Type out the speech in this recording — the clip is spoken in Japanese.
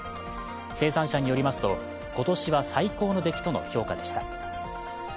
生産者によりますと、今年は最高の出来との評価でした。